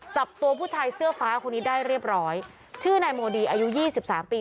จับตัวผู้ชายเสื้อฟ้าคนนี้ได้เรียบร้อยชื่อนายโมดีอายุยี่สิบสามปี